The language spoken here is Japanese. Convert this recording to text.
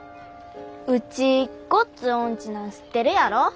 ウチごっつい音痴なの知ってるやろ。